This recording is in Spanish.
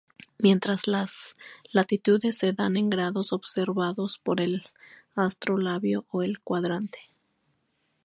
Mientras las latitudes se dan en grados observados por el astrolabio o el cuadrante.